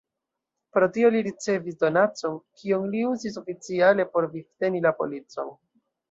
Pro tio li ricevis donacon, kion li uzis oficiale por vivteni la policon.